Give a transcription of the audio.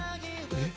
えっ？